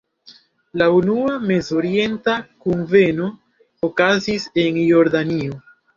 La unua Mezorienta kunveno okazis en Jordanio.